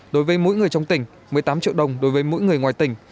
đối với mỗi người trong tỉnh một mươi tám triệu đồng đối với mỗi người ngoài tỉnh